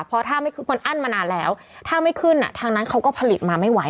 เพราะถ้าไม่ขึ้นมันอั้นมานานแล้วถ้าไม่ขึ้นทางนั้นเขาก็ผลิตมาไม่ไหว